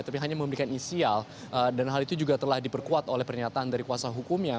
tapi hanya memberikan inisial dan hal itu juga telah diperkuat oleh pernyataan dari kuasa hukumnya